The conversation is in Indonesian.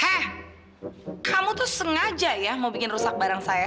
eh kamu tuh sengaja ya mau bikin rusak barang saya